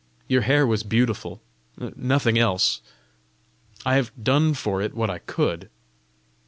Your hair was beautiful, nothing else! I have done for it what I could."